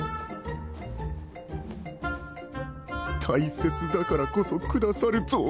大切だからこそ下さると。